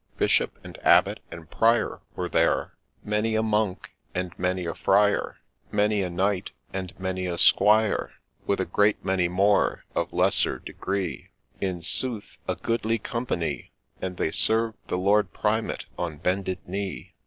_L Bishop, and abbot, and prior were there ; Many a monk, and many a friar, Many a knight, and many a squire, With a great many more of lesser degree, — In sooth a goodly company ; And they served the Lord Primate on bended knee.